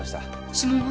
指紋は？